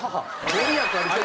御利益ありそう。